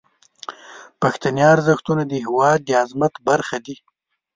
پښتني ارزښتونه د هیواد د عظمت برخه دي.